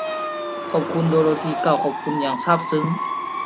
ขอบคุณค่ะ โดโรธี กล่าวขอบคุณ อย่างซาบซึ้ง